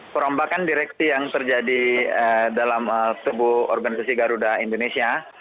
perombakan direksi yang terjadi dalam tubuh organisasi garuda indonesia